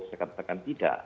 saya katakan tidak